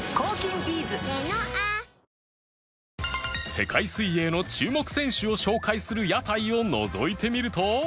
世界水泳の注目選手を紹介する屋台をのぞいてみると